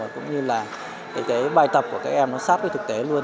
cũng như là bài tập của các em sát với thực tế luôn